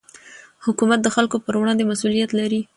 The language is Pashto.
حکومت د خلکو پر وړاندې مسوولیت لري